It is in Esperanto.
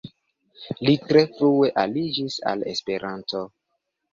Li tre frue aliĝis al Esperanto.